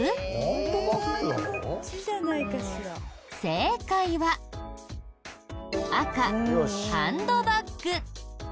正解は赤ハンドバッグ。